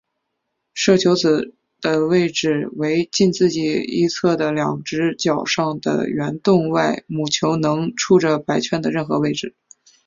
射球子的位置为近自己一侧的两只角上的圆洞外母球能触着白圈的任何位置。